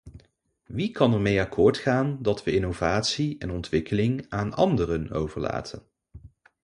Wie kan ermee akkoord gaan dat we innovatie en ontwikkeling aan anderen overlaten?